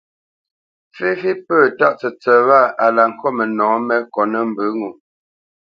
Féfé pə̂ tǎʼ tsətsət wâ a la ŋkôt mənɔ̌ mé kotnə́ mbə ŋo.